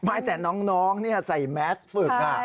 ไม่แต่น้องใส่แมสฝึก